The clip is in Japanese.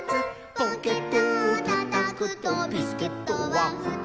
「ポケットをたたくとビスケットはふたつ」